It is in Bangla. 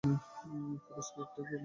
ফিরোজ কি একটি বর্ণনা করছে?